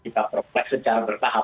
kita perpleks secara bertahap